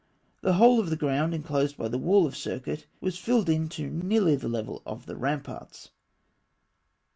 The whole of the ground enclosed by the wall of circuit was filled in to nearly the level of the ramparts (fig.